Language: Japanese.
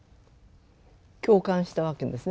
共感したわけですね。